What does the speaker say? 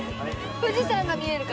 富士山が見えるから。